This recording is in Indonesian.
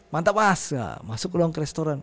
mantap mas masuk dong ke restoran